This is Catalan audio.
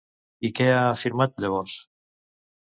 I què ha afirmat llavors?